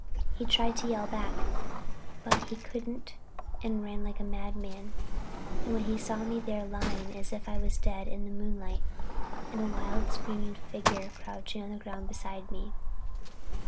He tried to yell back, but couldn't and ran like a madman, and when he got there saw me lying as if I was dead in the moonlight and a wild, screaming figure crouched on the ground beside me.